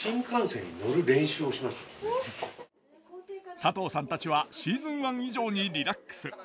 佐藤さんたちはシーズン１以上にリラックス。